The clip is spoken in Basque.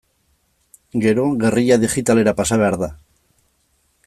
Gero, gerrilla digitalera pasa behar da.